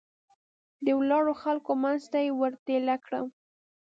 د ولاړو خلکو منځ ته یې ور ټېله کړم.